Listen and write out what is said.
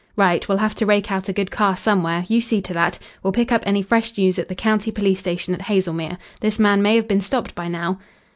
"Right. We'll have to rake out a good car somewhere. You see to that. We'll pick up any fresh news at the county police station at Haslemere. This man may have been stopped by now."